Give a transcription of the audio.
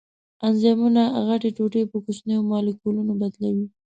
انزایمونه غټې ټوټې په کوچنیو مالیکولونو بدلوي.